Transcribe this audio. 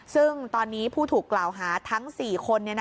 ซึ่งตอนนี้ผู้ถูกกล่าวหาทั้ง๔คน